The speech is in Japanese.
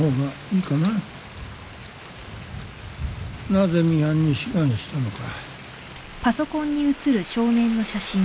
なぜミハンに志願したのか。